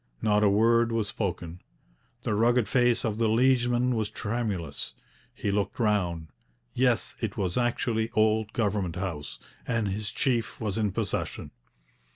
Not a word was spoken. The rugged face of the liegeman was tremulous. He looked round; yes, it was actually old Government House, and his chief was in possession.